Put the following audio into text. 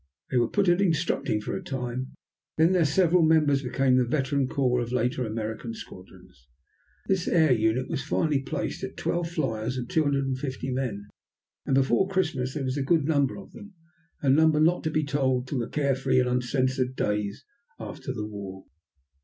These were put at instructing for a time, then their several members became the veteran core of later American squadrons. This air unit was finally placed at 12 fliers and 250 men, and before Christmas there was a goodly number of them, a number not to be told till the care free and uncensored days after the war.